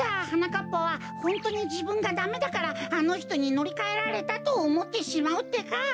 かっぱはホントにじぶんがダメだからあのひとにのりかえられたとおもってしまうってか。